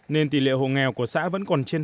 nên tỷ lệ hộ nghèo của xã vẫn còn trên sáu mươi